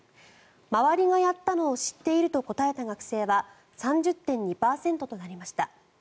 周りがやったのを知っていると答えが学生は３０．２％となりました。